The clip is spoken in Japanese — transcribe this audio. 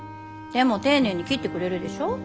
でも丁寧に切ってくれるでしょ？